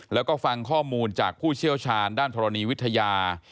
แล้วก็ฟังข้อมูลจากผู้เชี่ยวชาญด้านธรณีวิทยา